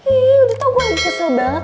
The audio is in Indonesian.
ih udah tau gue gak kesel banget